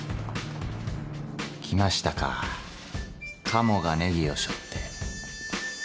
来ましたかカモがネギを背負って。